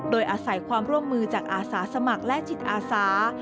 โดยอาศัยความร่วมมือจากอาสาสมัครและจิตอาสา